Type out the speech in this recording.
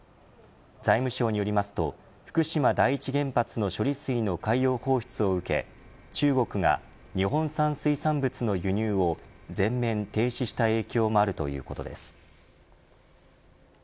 財務省によりますと福島第一原発の処理水の海洋放出を受け中国が日本産水産物の輸入を全面停止した影響もあるということです。